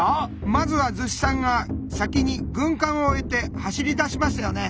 まずは厨子さんが先に軍艦を終えて走り出しましたよね。